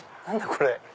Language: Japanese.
これ。